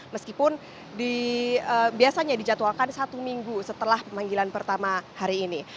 meskipun biasanya dijadwalkan satu minggu setelah pemanggilan pertama hari ini